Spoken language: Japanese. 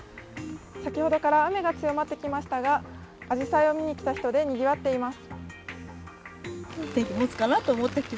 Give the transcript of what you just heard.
先ほどから雨が強まってきましたが、あじさいを見に来た人でにぎわっています。